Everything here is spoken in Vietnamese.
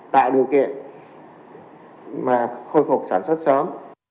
tại điều kiện mà khôi phục sản xuất sớm